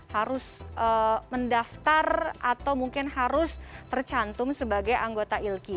harus mendaftar atau mungkin harus tercantum sebagai anggota ilki